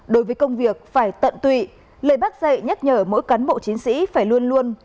đối với công việc phải tận tụy lời bác dạy nhắc nhở mỗi cán bộ chiến sĩ phải luôn luôn